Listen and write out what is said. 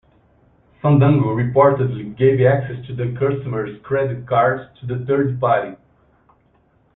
Fandango reportedly gave access to their customers' credit cards to the third party.